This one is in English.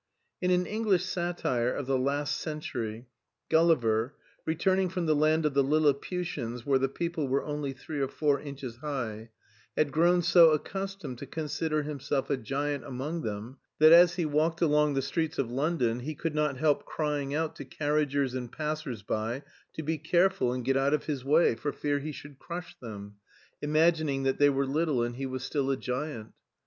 In an English satire of the last century, Gulliver, returning from the land of the Lilliputians where the people were only three or four inches high, had grown so accustomed to consider himself a giant among them, that as he walked along the streets of London he could not help crying out to carriages and passers by to be careful and get out of his way for fear he should crush them, imagining that they were little and he was still a giant.